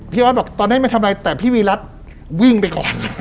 พี่ออสบอกตอนนี้มาทำรายแต่พี่วีรัสวิ่งไปก่อน